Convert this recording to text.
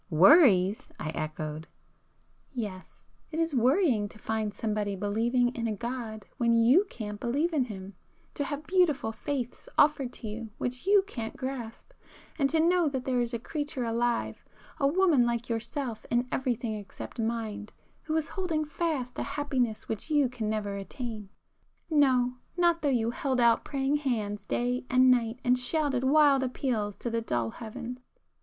"Worries?" I echoed. "Yes. It is worrying to find somebody believing in a God when you can't believe in Him,—to have beautiful faiths offered to you which you can't grasp,—and to know that there is a creature alive, a woman like yourself in everything except mind, who is holding fast a happiness which you [p 308] can never attain,—no, not though you held out praying hands day and night and shouted wild appeals to the dull heavens!"